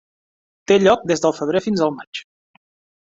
Té lloc des del febrer fins al maig.